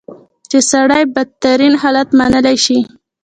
چې سړی بدترین حالت منلی شي.